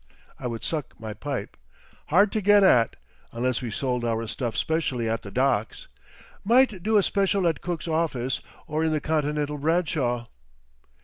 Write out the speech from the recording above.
I would suck my pipe. "Hard to get at. Unless we sold our stuff specially at the docks. Might do a special at Cook's office, or in the Continental Bradshaw."